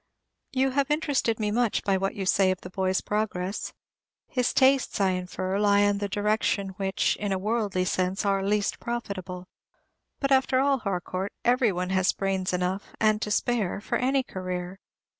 You have interested me much by what you say of the boy's progress. His tastes, I infer, lie in the direction which, in a worldly sense, are least profitable; but, after all, Harcourt, every one has brains enough, and to spare, for any career.